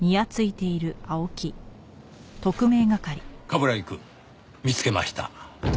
冠城くん見つけました。